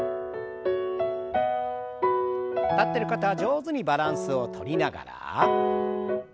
立ってる方は上手にバランスをとりながら。